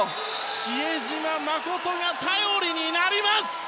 比江島慎が頼りになります！